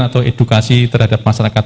atau edukasi terhadap masyarakat